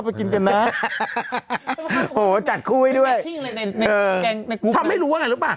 ไปกินกันน่ะโหจัดคู่ให้ด้วยในในในกรุ๊ปทำให้รู้ว่าไงหรือเปล่า